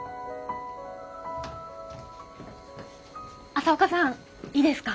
朝岡さんいいですか？